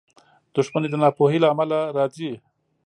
• دښمني د ناپوهۍ له امله راځي.